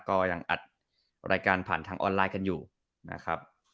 ก็ยังอัดรายการผ่านทางออนไลน์กันอยู่นะครับ